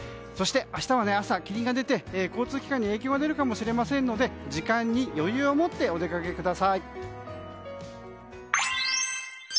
そして、明日は朝霧が出て交通機関に影響が出るかもしれませんので時間に余裕を持ってお出かけください。